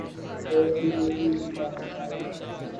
دوست بھی دل ہی دکھانے آئے